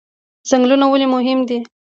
ځنګلونه ولې مهم دي؟